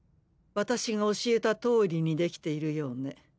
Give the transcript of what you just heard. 私が教えた通りにできているようね。